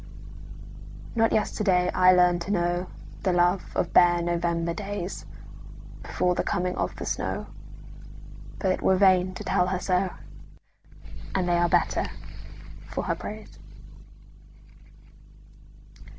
Not yesterday I learned to knowThe love of bare November daysBefore the coming of the snow, But it were vain to tell her so, And they are better for her praise.